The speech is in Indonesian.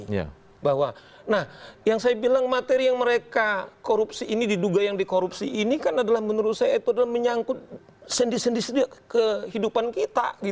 nah yang saya bilang materi yang mereka korupsi ini diduga yang dikorupsi ini kan adalah menurut saya itu adalah menyangkut sendi sendi sendi kehidupan kita